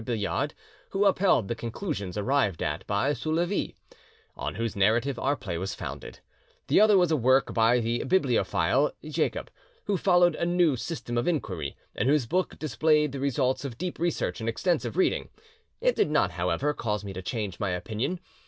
Billiard, who upheld the conclusions arrived at by Soulavie, on whose narrative our play was founded; the other was a work by the bibliophile Jacob, who followed a new system of inquiry, and whose book displayed the results of deep research and extensive reading. It did not, however, cause me to change my opinion.